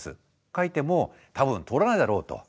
書いても多分通らないだろうと。